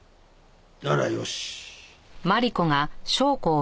ならよし。